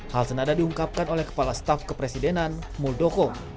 hal senada diungkapkan oleh kepala staf kepresidenan muldoko